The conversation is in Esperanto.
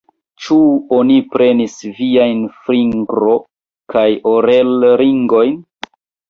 Ĉu oni prenis viajn fingro- kaj orel-ringojn?